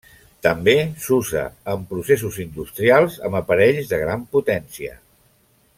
També s'usa en processos industrials amb aparells de gran potència.